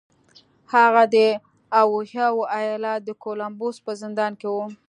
هغه د اوهايو ايالت د کولمبوس په زندان کې و.